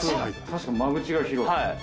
確かに間口が広い。